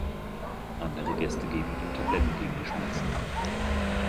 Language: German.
Andere Gäste geben ihm Tabletten gegen die Schmerzen.